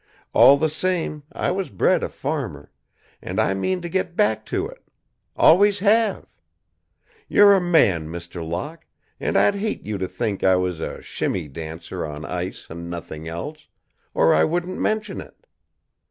All the same, I was bred a farmer, and I mean to get back to it. Always have! You're a man, Mr. Locke, and I'd hate you to think I was a shimmy dancer on ice and nothing else, or I wouldn't mention it.